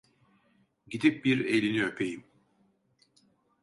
Gidip bir elini öpeyim…